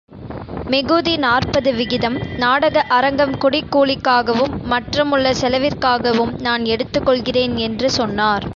மிகுதி நாற்பது விகிதம், நாடக அரங்கம் குடிக் கூலிக்காகவும், மற்றுமுள்ள செலவிற்காகவும் நான் எடுத்துக் கொள்ளுகிறேன் என்று சொன்னார்.